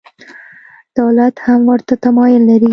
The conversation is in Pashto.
دولت هم ورته تمایل لري.